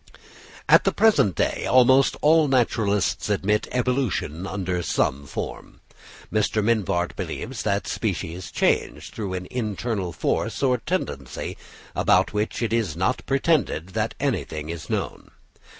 At the present day almost all naturalists admit evolution under some form. Mr. Mivart believes that species change through "an internal force or tendency," about which it is not pretended that anything is known.